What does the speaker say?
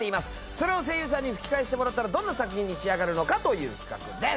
それを声優さんに吹き替えしてもらったらどんな作品に仕上がるのかという企画です。